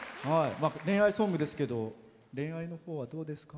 恋愛ソングですけど恋愛のほうはどうですか？